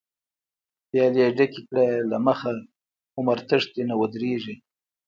پيالی ډکې کړه له مخی، عمر تښتی نه ودريږی